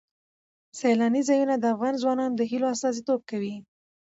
سیلانی ځایونه د افغان ځوانانو د هیلو استازیتوب کوي.